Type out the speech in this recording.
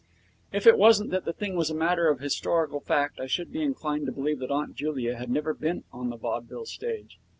If it wasn't that the thing was a matter of historical fact, I should be inclined to believe that Aunt Julia had never been on the vaudeville stage.